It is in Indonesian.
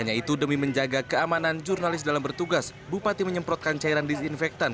hanya itu demi menjaga keamanan jurnalis dalam bertugas bupati menyemprotkan cairan disinfektan